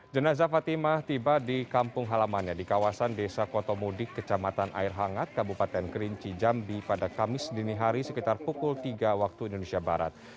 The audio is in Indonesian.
jenazah fatimah tiba di kampung halamannya di kawasan desa kotomudik kecamatan air hangat kabupaten kerinci jambi pada kamis dini hari sekitar pukul tiga waktu indonesia barat